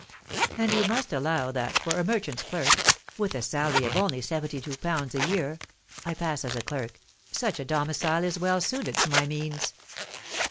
And you must allow that, for a merchant's clerk, with a salary of only seventy two pounds a year (I pass as a clerk), such a domicile is well suited to my means."